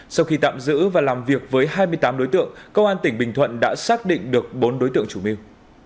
sau khi tạm giữ và làm việc với hai mươi tám đối tượng công an tỉnh bình thuận đã xác định được bốn đối tượng chủ mưu